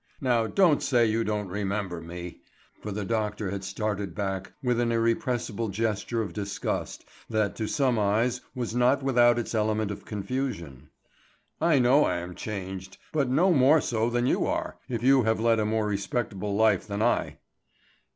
Now don't say you don't remember me—" for the doctor had started back with an irrepressible gesture of disgust that to some eyes was not without its element of confusion, "I know I am changed, but no more so than you are, if you have led a more respectable life than I."